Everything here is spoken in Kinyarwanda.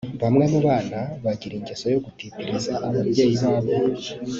Bamwe mu bana bagira ingeso yo gutitiririza ababyeyi babo